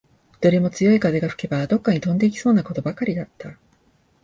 どれも強い風が吹けば、どっかに飛んでいきそうなことばかりだった